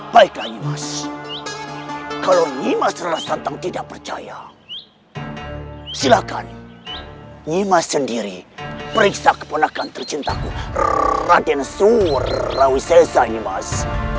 baiklah sanyimas kalau sanyimas terasa tidak percaya silakan sanyimas sendiri periksa keponakan tercintaku raden surawisai sanyimas